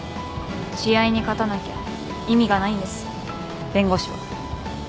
試合に勝たなきゃ意味がないんです弁護士は。